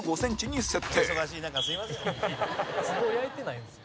つぼ焼いてないんですよ。